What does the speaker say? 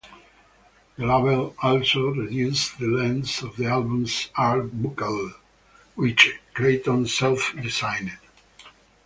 The label also reduced the length of the album's art booklet, which Klayton self-designed.